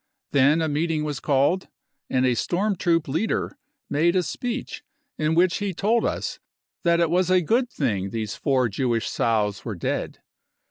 Then a meeting was called, and a Storm Troop leader made a speech in which he told us that it was a good thing these four Jewish sows were dead.